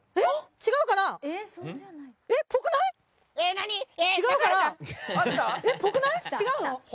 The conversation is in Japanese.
違うの？